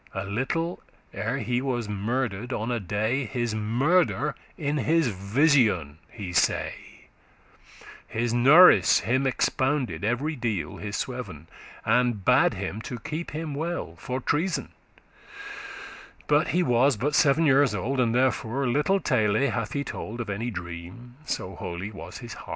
A little ere he was murder'd on a day, His murder in his vision he say.* *saw His norice* him expounded every deal *nurse part His sweven, and bade him to keep* him well *guard For treason; but he was but seven years old, And therefore *little tale hath he told* *he attached little Of any dream, so holy was his heart.